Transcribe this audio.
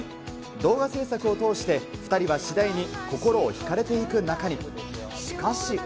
動画制作を通して２人は次第に心を引かれていく中に。